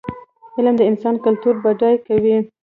علم د انسان کلتور بډای کوي.